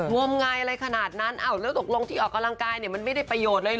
งมงายอะไรขนาดนั้นแล้วตกลงที่ออกกำลังกายเนี่ยมันไม่ได้ประโยชน์เลยเห